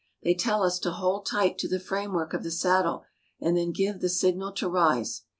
They tell us to hold tight to the framework of the saddle, and then give the signal to rise.